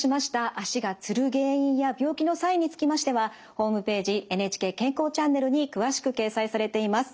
足がつる原因や病気のサインにつきましてはホームページ「ＮＨＫ健康チャンネル」に詳しく掲載されています。